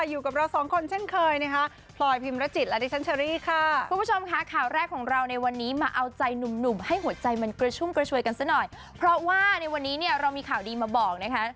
อยู่กับเราสองคนเช่นเคยนะคะพลอยพิมรจิตมันชั้นขุมฟูคว่าในวันนี้เรามีข่าวดีมาบอกนะคะ